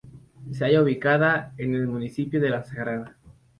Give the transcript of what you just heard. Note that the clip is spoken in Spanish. Se halla ubicada en el municipio de La Sagrada.